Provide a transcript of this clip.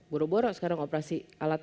borok borok sekarang operasi alat